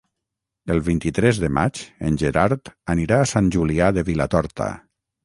El vint-i-tres de maig en Gerard anirà a Sant Julià de Vilatorta.